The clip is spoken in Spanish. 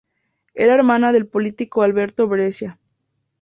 Era hermana del político Alberto Breccia.